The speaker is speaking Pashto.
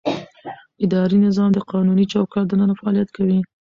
اداري نظام د قانوني چوکاټ دننه فعالیت کوي.